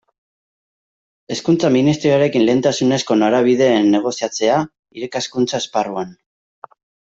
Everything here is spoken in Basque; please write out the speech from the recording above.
Hezkuntza Ministerioarekin lehentasunezko norabideen negoziatzea, irakaskuntza esparruan.